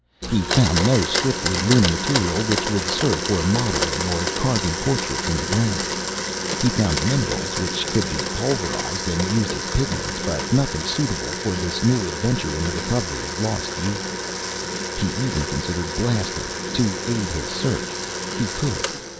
He found no strictly lunar material which would serve for modeling or carving portraits in the ground. He found minerals which could be pulverized and used as pigments, but nothing suitable for this new adventure in the recovery of lost youth. He even considered blasting, to aid his search. He could.